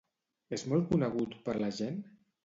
És molt conegut per la gent?